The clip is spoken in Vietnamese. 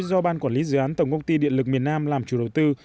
do ban quản lý dự án tổng công ty điện lực miền nam làm chủ đầu tư